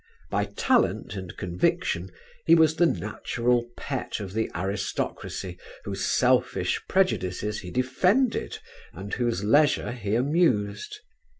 By talent and conviction he was the natural pet of the aristocracy whose selfish prejudices he defended and whose leisure he amused.